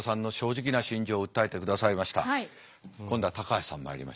今度は高橋さんまいりましょう。